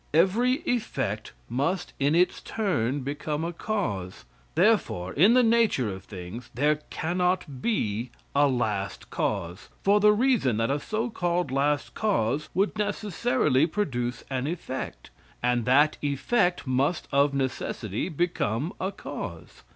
Every effect must in its turn become a cause. Therefore, in the nature of things, there cannot be a last cause, for the reason that a so called last cause would necessarily produce an effect, and that effect must of necessity become a cause.